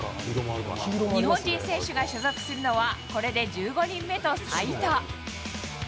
日本人選手が所属するのはこれで１５人目と最多。